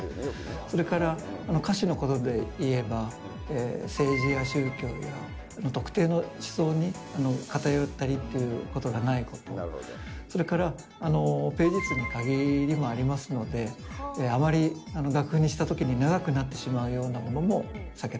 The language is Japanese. それから歌詞のことでいえば、政治や宗教や、特定の思想に偏ったりということがないことが、それから、ページ数に限りもありますので、あまり楽譜にしたときに長くなってしま